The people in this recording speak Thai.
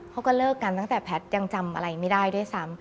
เขาก็เลิกกันตั้งแต่แพทย์ยังจำอะไรไม่ได้ด้วยซ้ำ